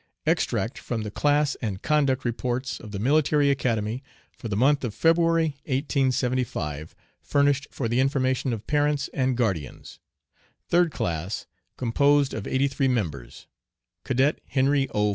EXTRACT from the Class and Conduct Reports of the MILITARY ACADEMY for the month of February, 1875, furnished for the information of Parents and Guardians, THIRD CLASS Composed of 83 Members. Cadet Henry O.